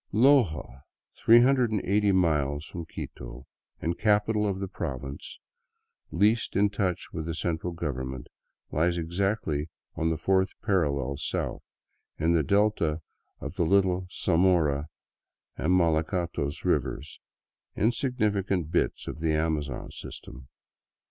Loja, 380 miles from Quito and capital of the province least in touch with the central government, lies exactly on the fourth parallel south, in the delta of the little Zamora and Malacatos rivers, insignifi cant bits of the Amazon system.